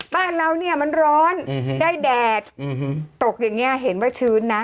บ้านเราเนี่ยมันร้อนได้แดดตกอย่างนี้เห็นว่าชื้นนะ